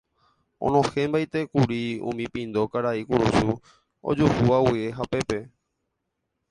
Onohẽmbaitékuri umi pindo karai kurusu ojuhúva guive hapépe.